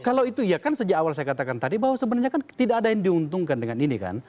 kalau itu ya kan sejak awal saya katakan tadi bahwa sebenarnya kan tidak ada yang diuntungkan dengan ini kan